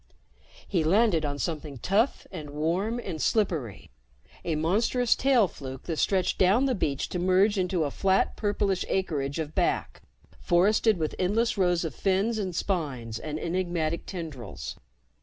He landed on something tough and warm and slippery, a monstrous tail fluke that stretched down the beach to merge into a flat purplish acreage of back, forested with endless rows of fins and spines and enigmatic tendrils.